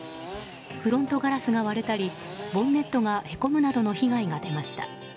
フロントガラスが割れたりボンネットがへこむなどの被害が出ました。